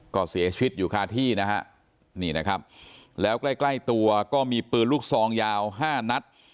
ก็เสียชีวิตอยู่คาที่นะฮะนี่นะครับแล้วใกล้ใกล้ตัวก็มีปืนลูกซองยาว๕นัด